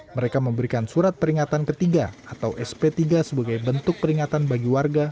mereka memberikan surat peringatan ketiga atau sp tiga sebagai bentuk peringatan bagi warga